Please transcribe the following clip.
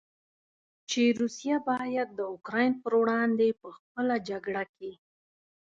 چې روسیه باید د اوکراین پر وړاندې په خپله جګړه کې.